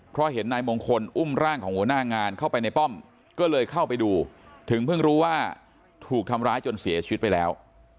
เพราะเห็นนายมงคลอุ้มร่างของหัวหน้างานเข้าไปในป้อมก็เลยเข้าไปดูถึงเพิ่งรู้ว่าถูกทำร้ายจนเสียชีวิตไปแล้ว